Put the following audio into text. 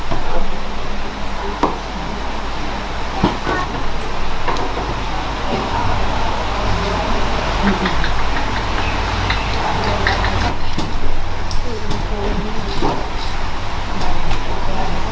กินให้มีความสะอาด